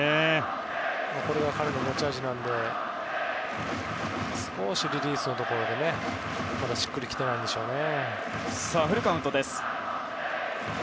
これが彼の持ち味なので少しリリースのところでまだ、しっくりと来てないんでしょうね。